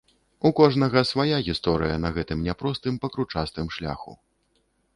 У кожнага свая гісторыя на гэтым няпростым, пакручастым шляху.